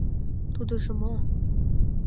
Тудыжо мо?